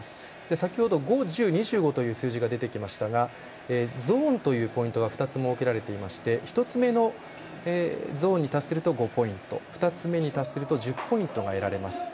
先ほど、５、１５、２５という数字が出てきましたがゾーンというポイントが２つ設けられていまして１つ目のゾーンに達すると５ポイント２つ目に達すると１０ポイント得られます。